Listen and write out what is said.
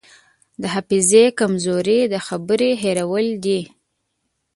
د حافظې کمزوري د خبرې هېرول دي.